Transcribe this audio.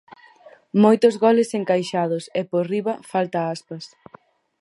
Moitos goles encaixados e, por riba, falta Aspas.